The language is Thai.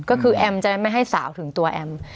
ก็คือแอมจะได้ไม่ให้สาวถึงตัวแอม